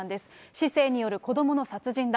市政による子どもの殺人だ。